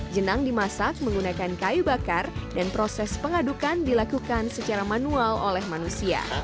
jenang dimasak menggunakan kayu bakar dan proses pengadukan dilakukan secara manual oleh manusia